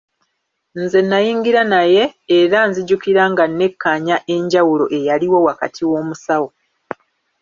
Nze nayingira naye, era nzijukira nga nekkaanya enjawulo eyaliwo wakati w'Omusawo.